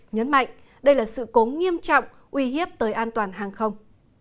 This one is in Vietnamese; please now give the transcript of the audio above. nhấn mạnh đây là sự cố nghiêm trọng uy hiếp tới an toàn hàng không